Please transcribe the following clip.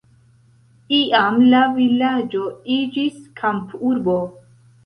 Iam la vilaĝo iĝis kampurbo.